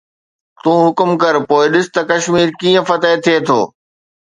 تون حڪم ڪر پوءِ ڏس ته ڪشمير ڪيئن فتح ٿئي ٿو